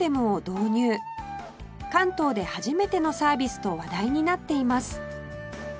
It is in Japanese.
関東で初めてのサービスと話題になっています